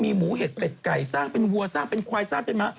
หมูเห็ดเป็ดไก่สร้างเป็นวัวสร้างเป็นควายสร้างเป็นม้า